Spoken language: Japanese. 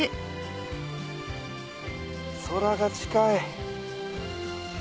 空が近い。